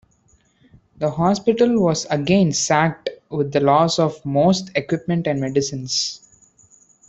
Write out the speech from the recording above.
The hospital was again sacked with the loss of most equipment and medicines.